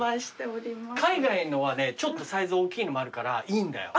海外のはねちょっとサイズ大きいのもあるからいいんだよ。